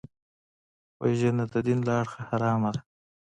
وژنه د دین له اړخه حرامه ده